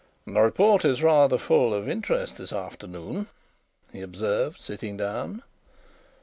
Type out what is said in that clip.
"The report is rather full of interest this afternoon," he observed, sitting down.